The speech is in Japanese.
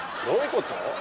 どういうこと？